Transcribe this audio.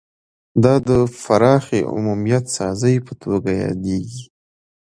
دا د پراخې عمومیت سازۍ په توګه یادیږي